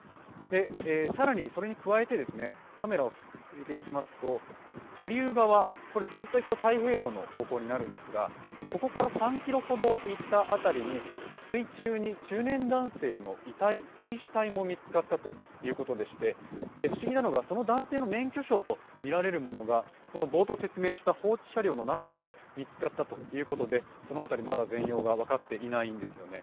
更に、それに加えて、カメラ振っていきますと下流側、ずっと行くと太平洋の方向になるんですが、ここから３ｋｍほど行った辺りに水中に、中年男性の水死体も見つかったということでして、不思議なのがその男性の免許証とみられるものが、冒頭説明した放置車両の中で見つかったということで、その辺りまだ全容が分かっていないんですよね。